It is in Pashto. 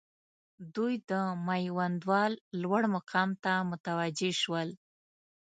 دوی د میوندوال لوړ مقام ته متوجه شول.